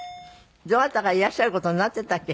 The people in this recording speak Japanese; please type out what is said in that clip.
どなたかいっらしゃる事になっていたっけ？